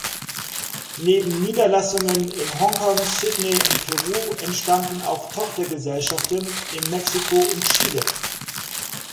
Neben Niederlassungen in Hongkong, Sydney und Peru entstanden auch Tochtergesellschaften in Mexiko und Chile.